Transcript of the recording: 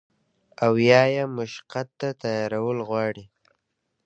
او يا ئې مشقت ته تيارول غواړي